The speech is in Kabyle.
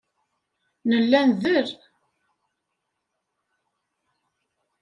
Nella ndel.